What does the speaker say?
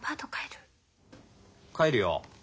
帰るよ。